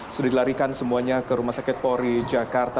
sudah dilarikan semuanya ke rumah sakit polri jakarta